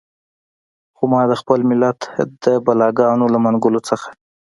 خو ما د خپل ملت د بلاګانو له منګولو څخه.